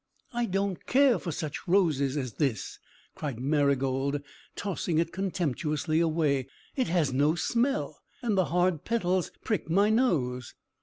"I don't care for such roses as this!" cried Marygold, tossing it contemptuously away. "It has no smell, and the hard petals prick my nose!"